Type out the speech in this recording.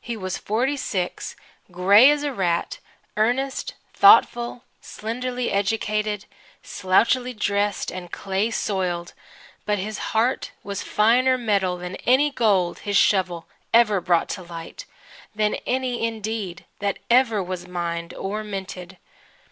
He was forty six, grey as a rat, earnest, thoughtful, slenderly educated, slouchily dressed and clay soiled, but his heart was finer metal than any gold his shovel ever brought to light than any, indeed, that ever was mined or minted.